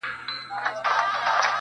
که مې کړې وه راته یې کمنټ کړئ